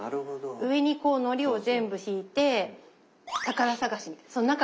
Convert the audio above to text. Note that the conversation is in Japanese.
上にこうのりを全部ひいて宝探しみたいな。